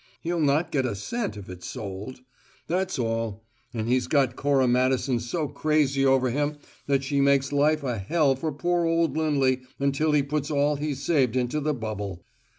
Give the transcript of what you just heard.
He'll not get a cent if it's sold. That's all. And he's got Cora Madison so crazy over him that she makes life a hell for poor old Lindley until he puts all he's saved into the bubble.